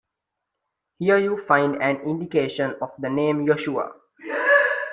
Here you find an indication of the name Yahshua.